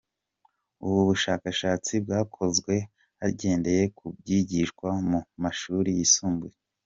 Ubu bushakashatsi bwakozwe hagendeye ku byigishwa mu mashuri yisumbuye.